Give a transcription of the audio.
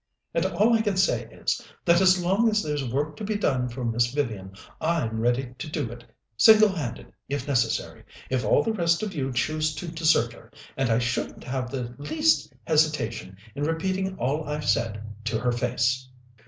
And all I can say is, that as long as there's work to be done for Miss Vivian, I'm ready to do it, single handed if necessary, if all the rest of you choose to desert her, and I shouldn't have the least hesitation in repeating all I've said to her face."